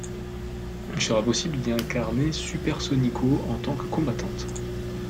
Il sera possible d'y incarner Super Sonico en tant que combattante.